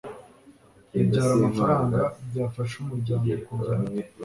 bibyara amafaranga byafasha umuryango kugera